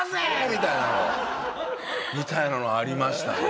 みたいなのありましたね。